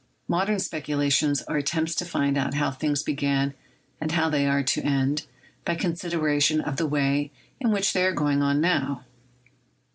... Modern speculations are attempts to find out how things began and how they are to end, by consideration of the way in which they are going on now.